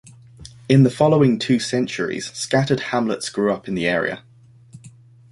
In the following two centuries, scattered hamlets grew up in the area.